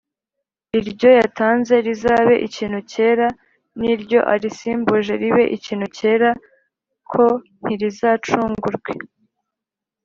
iryo yatanze rizabe ikintu cyera n iryo arisimbuje ribe ikintu cyera k Ntirizacungurwe